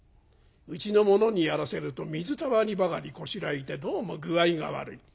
うちの者にやらせると水たまりばかりこしらえてどうも具合が悪い。